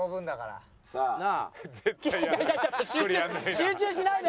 集中しないで！